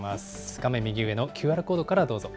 画面右上のＱＲコードからどうぞ。